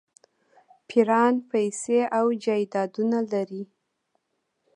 پیران پیسې او جایدادونه لري.